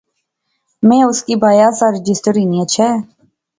میں اُُس کی بایا سا رجسٹر ہنی اچھے